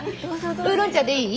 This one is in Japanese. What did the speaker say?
ウーロン茶でいい？